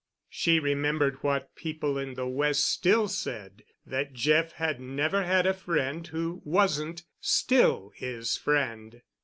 She remembered what people in the West still said—that Jeff had never had a friend who wasn't still his friend.